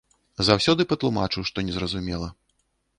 Заўсёды патлумачу, што незразумела.